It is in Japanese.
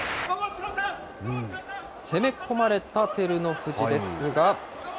攻め込まれた照ノ富士ですが。